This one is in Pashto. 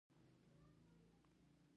افغانستان کې د اوښ په اړه زده کړه کېږي.